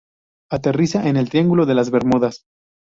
Aterriza en el Triángulo de las Bermudas.